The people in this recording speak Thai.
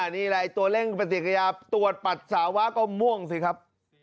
นี่แหละตัวเร่งปฏิกิริยาตรวจปัสสาวะก็ม่วงสิครับ